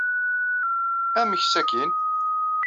Amek sakkin?